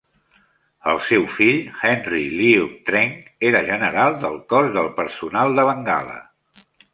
El seu fill Henry Luke Trench era general del cos del personal de Bengala.